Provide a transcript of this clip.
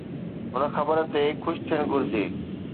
هن خبر تي خوش ٿيڻ گهرجي.